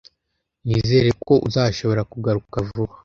Nizere ko uzashobora kugaruka vuba.